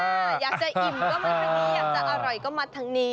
อยากจะอิ่มก็มาทางนี้